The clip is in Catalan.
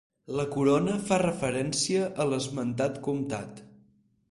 La corona fa referència a l'esmentat comtat.